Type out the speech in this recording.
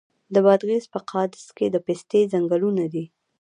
د بادغیس په قادس کې د پستې ځنګلونه دي.